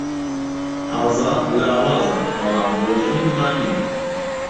ئازاد لاوازە، بەڵام ڕۆژین وانییە.